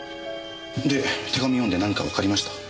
で手紙読んで何かわかりました？